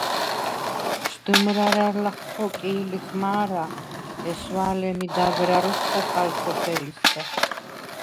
შდჷმრა̈რ ლახ ხოკი̄ლიხ მა̄რა, ესვა̄ლე̄მი დაგრა როქვ ხოხალ სოფელისგა.